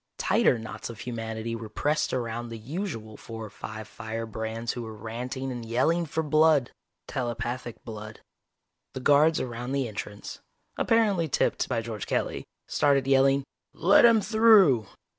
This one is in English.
Tighter knots of humanity were pressed around the usual four or five firebrands who were ranting and yelling for blood telepathic blood. The guards around the entrance, apparently tipped by George Kelly, started yelling, "Let him through!"